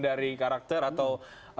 dari karakter atau